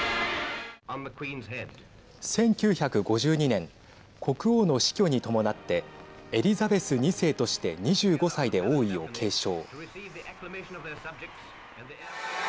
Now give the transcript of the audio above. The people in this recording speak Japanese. １９５２年国王の死去に伴ってエリザベス２世として２５歳で王位を継承。